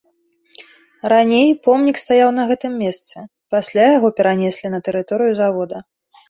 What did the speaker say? Раней помнік стаяў на гэтым месцы, пасля яго перанеслі на тэрыторыю завода.